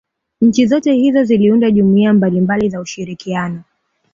Nchi zote hizo ziliunda jumuiya mbalimabali za ushirikiano